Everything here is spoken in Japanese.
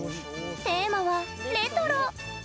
テーマはレトロ。